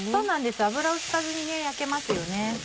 油を引かずに焼けますよね。